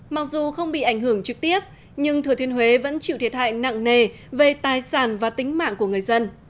mặc dù không bị ảnh hưởng trực tiếp nhưng thừa thiên huế vẫn chịu thiệt hại nặng nề về tài sản và tính mạng của người dân